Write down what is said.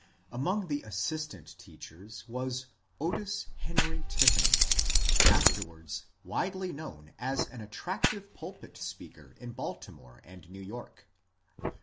Among the assistant teachers was Otis Henry Tiffany, afterwards widely known as an attractive pulpit speaker in Baltimore and New York.